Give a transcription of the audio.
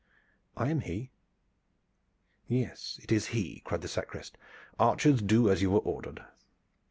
"I am he." "Yes, it is he!" cried the sacrist. "Archers, do as you were ordered!"